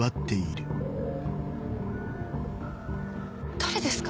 誰ですか？